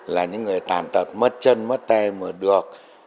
là những người tàn tật mất chân mất tê mà được